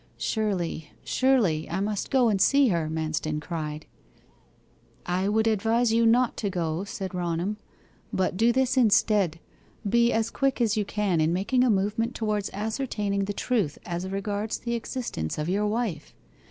'Surely, surely, I must go and see her!' Manston cried. 'I would advise you not to go,' said Raunham. 'But do this instead be as quick as you can in making a movement towards ascertaining the truth as regards the existence of your wife.